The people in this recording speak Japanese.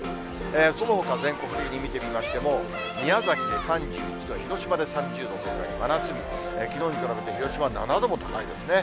そのほか全国的に見てみましても、宮崎で３１度、広島で３０度、これが真夏日、きのうに比べて広島は７度も高いですね。